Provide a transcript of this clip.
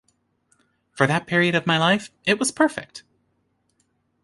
For that period of my life, it was perfect.